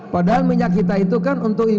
padahal minyak kita itu kan untuk impor